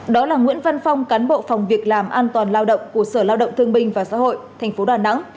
đó là nguyễn văn phong cán bộ phòng việc làm an toàn lao động của sở lao động thương binh và xã hội tp đà nẵng